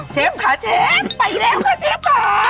ค่ะเชฟไปแล้วค่ะเชฟค่ะ